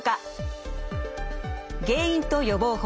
原因と予防法